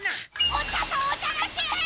お茶とお茶がし！